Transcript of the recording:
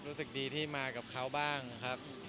รู้สึกดีที่มากับเขาบ้างครับ